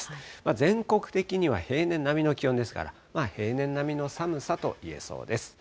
全国的には平年並みの気温ですから、平年並みの寒さといえそうです。